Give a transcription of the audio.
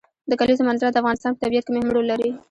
د کلیزو منظره د افغانستان په طبیعت کې مهم رول لري.